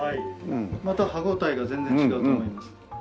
また歯応えが全然違うと思います。